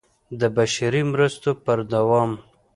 د بشري مرستو پر دوام